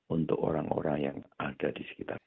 untuk orang orang yang ada di sekitar